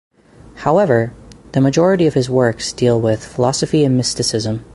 However, the majority of his works deal with philosophy and mysticism.